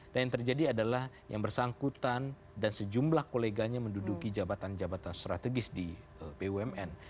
dan yang terjadi adalah yang bersangkutan dan sejumlah koleganya menduduki jabatan jabatan strategis di bumn